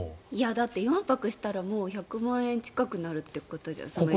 だって４泊したらもう１００万円近くなるということじゃないですか。